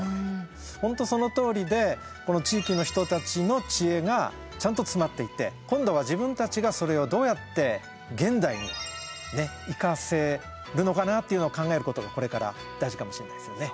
本当そのとおりでこの地域の人たちの知恵がちゃんと詰まっていて今度は自分たちがそれをどうやって現代にいかせるのかなっていうのを考えることがこれから大事かもしれないですよね。